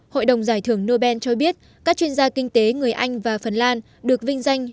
hội đồng giải thưởng nobel cho biết các chuyên gia kinh tế người anh và phần lan được vinh danh